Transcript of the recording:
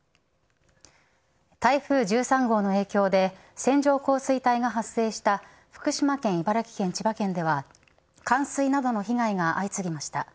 台風１３号の影響で線状降水帯が発生した福島県茨城県、千葉県では冠水などの被害が相次ぎました。